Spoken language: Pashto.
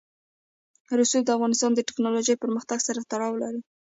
رسوب د افغانستان د تکنالوژۍ پرمختګ سره تړاو لري.